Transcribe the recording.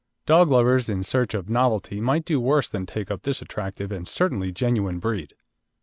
Dog lovers in search of novelty might do worse than take up this attractive and certainly genuine breed.